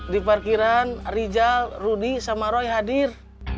di parkiran rijal rudy sama roy hadir